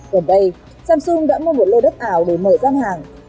gần đây samsung đã mua một lô đất ảo để mở gian hàng